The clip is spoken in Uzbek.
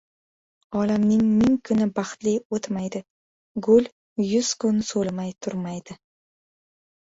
• Olamning ming kuni baxtli o‘tmaydi, gul — yuz kun so‘limay turmaydi.